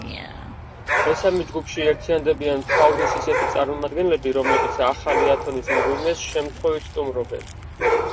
მესამე ჯგუფში ერთიანდებიან ფაუნის ისეთი წარმომადგენლები, რომლებიც ახალი ათონის მღვიმეს შემთხვევით სტუმრობენ.